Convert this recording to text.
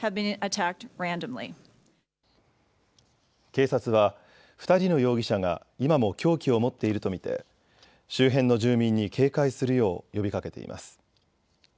警察は２人の容疑者が今も凶器を持っていると見て周辺の住民に警戒するよう呼びかけています。